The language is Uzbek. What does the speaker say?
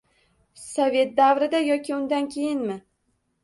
Sovet davrida yoki undan keyinmi?